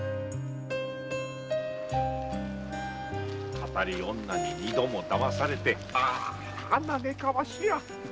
騙り女に二度もだまされてあ嘆かわしや！